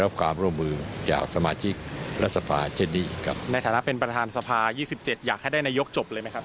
เพื่อจะได้นายกปรีโดยเร็วครับ